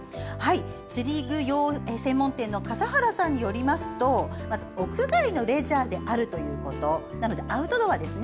釣り具用品店の笠原さんによりますと屋外のレジャーであるということなのでアウトドアですね。